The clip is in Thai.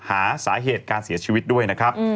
หาสาเหตุการเสียชีวิตด้วยนะครับ